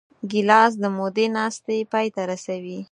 ګیلاس د مودې ناستې پای ته رسوي.